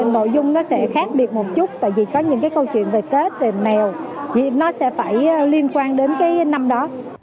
nội dung nó sẽ khác biệt một chút tại vì có những cái câu chuyện về tết về mèo nó sẽ phải liên quan đến cái năm đó